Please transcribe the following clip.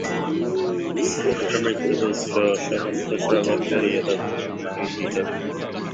আমাত্যপুত্র সমস্ত শ্রবণ করিয়া তৎক্ষণাৎ তাঁহাকে গৃহে প্রত্যানয়ন করিলেন।